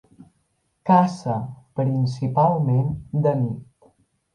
Caça principalment de nit.